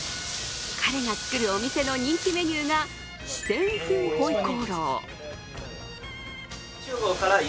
彼が作るお店の人気メニューが四川風回鍋肉。